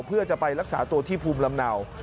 เพื่อจะไปรักษาตัวที่ภูมิลำเนา